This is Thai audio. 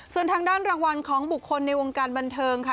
ส่วนทางด้านรางวัลของบุคคลในวงการบันเทิงค่ะ